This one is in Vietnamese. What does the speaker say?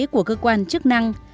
của cơ quan chức năng